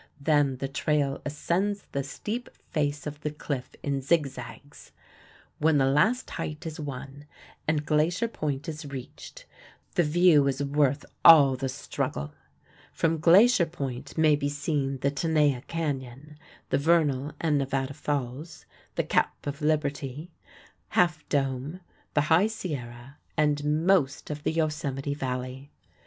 Then the trail ascends the steep face of the cliff in zig zags. When the last height is won and Glacier Point is reached, the view is worth all the struggle. From Glacier Point may be seen the Tenaya Canyon, the Vernal and Nevada Falls, the Cap of Liberty, Half Dome, the High Sierra, and most of the Yosemite Valley.